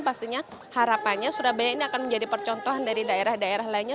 pastinya harapannya surabaya ini akan menjadi percontohan dari daerah daerah lainnya